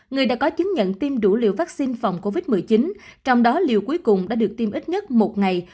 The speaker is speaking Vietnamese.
người đã có chứng nhận tiêm đủ liều vaccine phòng covid một mươi chín trong đó liều cuối cùng đã được tiêm ít nhất một ngày